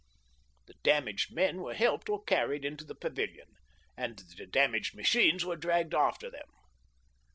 The damaged men were helped or carried into the pavilion, and the damaged machines were dragged after them.